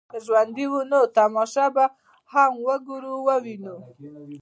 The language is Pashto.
که ژوندي وو دغه تماشه به هم وګورو او وینو.